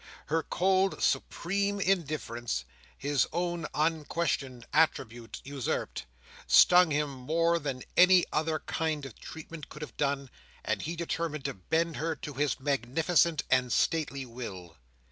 Her cold supreme indifference—his own unquestioned attribute usurped—stung him more than any other kind of treatment could have done; and he determined to bend her to his magnificent and stately will.